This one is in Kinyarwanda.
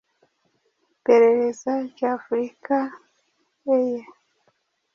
iperereza rya africa eye